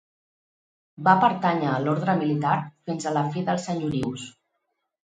Va pertànyer a l'orde militar fins a la fi dels senyorius.